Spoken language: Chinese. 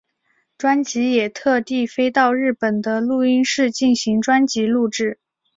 专辑也特地飞到日本的录音室进行专辑录制。